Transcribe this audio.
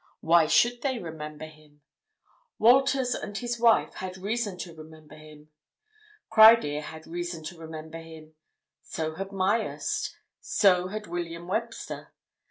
Why should they remember him? Walters and his wife had reason to remember him; Criedir had reason to remember him; so had Myerst; so had William Webster.